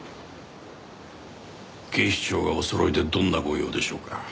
警視庁がおそろいでどんな御用でしょうか？